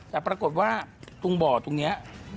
แต่ปรากฏว่าตรงบ่อตรงนี้